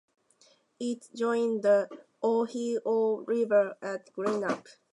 It joins the Ohio River at Greenup.